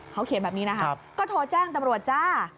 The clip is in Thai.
เขาเขียนแบบนี้นะคะก็โทรแจ้งตำรวจจ้า